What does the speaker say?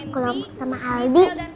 kita sekelompok sama aldi